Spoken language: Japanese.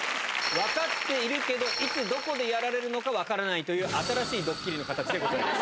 分かっているけど、いつどこでやられるのか分からないという新しいドッキリの形でございます。